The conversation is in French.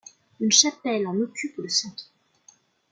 Une chapelle en occupe le centre.